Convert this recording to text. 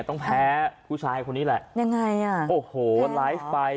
ต้องแพ้ผู้ชายคนนี้แหละยังไงอ่ะโอ้โหไลฟ์ไป